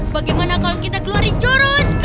bagaimana kalau kita keluarin jurus kudu